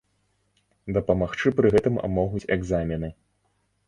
Дапамагчы пры гэтым могуць экзамены.